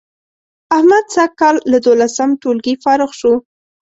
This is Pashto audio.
احمد سږ کال له دولسم ټولگي فارغ شو